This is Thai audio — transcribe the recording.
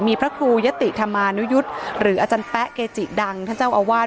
มีพระครูยะติธรรมานุยุทธ์หรืออาจารย์แป๊ะเกจิดังท่านเจ้าอาวาส